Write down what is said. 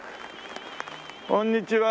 こんにちは。